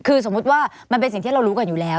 คือสมมุติว่ามันเป็นสิ่งที่เรารู้กันอยู่แล้ว